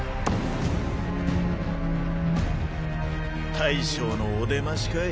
大将のお出ましかい。